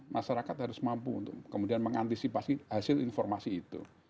masyarakat harus mampu untuk kemudian mengantisipasi hasil informasi itu